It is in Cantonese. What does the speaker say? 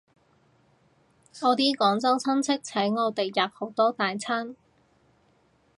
我啲廣州親戚請我吔好多大餐